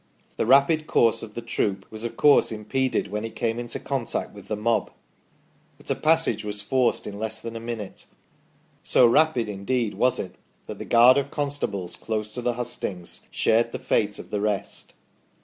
The rapid course of the troop was, of course, im peded when it came in contact with the mob, but a passage was forced in less than a minute so rapid, indeed, was it that the guard of constables close to the hustings shared the fate of the rest.